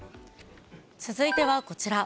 続いてはこちら。